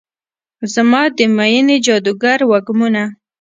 زما د میینې جادوګر وږمونه